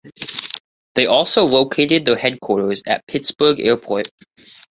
They also located their headquarters at Pittsburgh Airport.